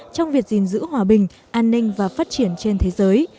trong việc gìn giữ hòa bình an ninh và phát triển trên thế giới